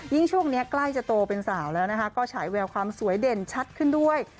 ช่วงนี้ใกล้จะโตเป็นสาวแล้วนะคะก็ฉายแววความสวยเด่นชัดขึ้นด้วย